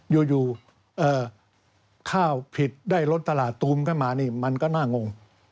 อยู่ข้าวผิดได้ลดตลาดตูมขึ้นมานี่มันก็น่างง